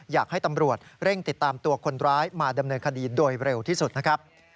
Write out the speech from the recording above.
อยากให้ตำรวจเร่งติดตามตัวคนร้ายมาดำเนินคดีโดยเร็วที่สุดนะครับ